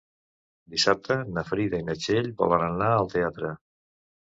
Dissabte na Frida i na Txell volen anar al teatre.